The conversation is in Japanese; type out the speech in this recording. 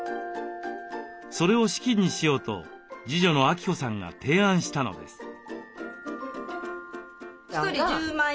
それを資金にしようと次女の亜希子さんが提案したのです。